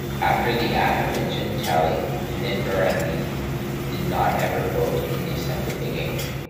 After the aforementioned tally Pininfarina did not ever vote in the assembly again.